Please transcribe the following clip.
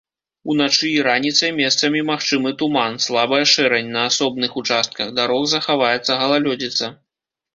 Уначы і раніцай месцамі магчымы туман, слабая шэрань, на асобных участках дарог захаваецца галалёдзіца.